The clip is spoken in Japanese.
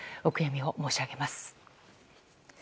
お悔やみを申し上げます。